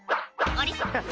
あれ？